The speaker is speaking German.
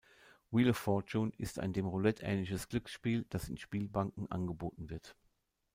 Wheel of Fortune, ist ein dem Roulette ähnliches Glücksspiel, das in Spielbanken angeboten wird.